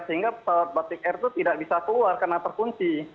sehingga pesawat batik air itu tidak bisa keluar karena terkunci